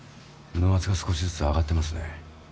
脳圧が少しずつ上がってますね。